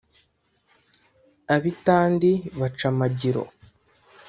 ab’i tandi baca amagiro.